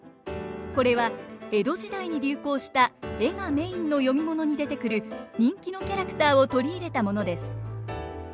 これは江戸時代に流行した絵がメインの読み物に出てくる人気のキャラクターを取り入れたものです。